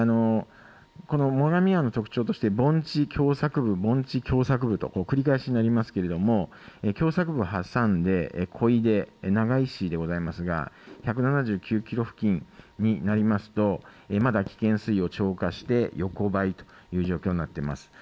この最上川の特徴として盆地狭さく部、盆地、狭さく部と繰り返しになりますが狭さく部を挟んで小出、長井市でございますが１３９キロ付近になりますとまだ危険水位を超過して横ばいという状況です。